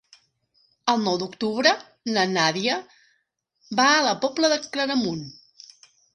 El nou d'octubre na Nàdia va a la Pobla de Claramunt.